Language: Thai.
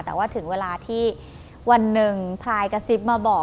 แต่ว่าถึงเวลาที่วันหนึ่งพลายกระซิบมาบอก